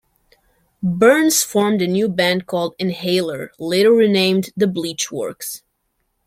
Burns formed a new band called Inhaler, later renamed The Bleach Works.